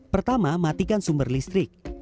pertama matikan sumber listrik